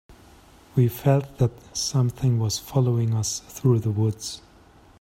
We felt that something was following us through the woods.